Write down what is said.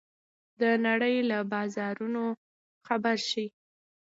د نړۍ له بازارونو خبر شئ.